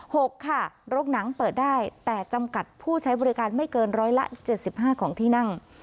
หกค่ะรกหนังเปิดได้แต่จำกัดผู้ใช้บริการไม่เกินร้อยละเจ็ดสิบห้าของที่นั่ง